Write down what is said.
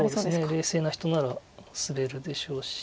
冷静な人ならスベるでしょうし。